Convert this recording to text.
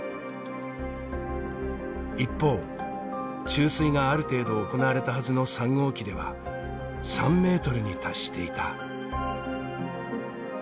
一方注水がある程度行われたはずの３号機では３メートルに達していた。